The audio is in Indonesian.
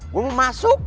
gue mau masuk